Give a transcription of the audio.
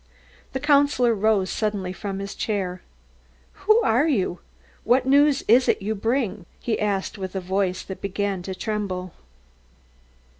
The Councillor rose suddenly from his chair. "Who are you? What news is it you bring?" he asked with a voice that began to tremble.